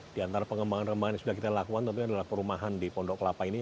di antara pengembangan pengembangan yang sudah kita lakukan tentunya adalah perumahan di pondok kelapa ini